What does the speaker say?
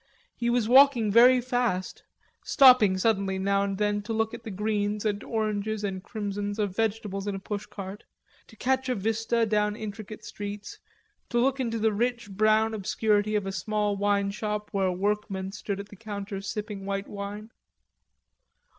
He was walking very fast, stopping suddenly now and then to look at the greens and oranges and crimsons of vegetables in a push cart, to catch a vista down intricate streets, to look into the rich brown obscurity of a small wine shop where workmen stood at the counter sipping white wine.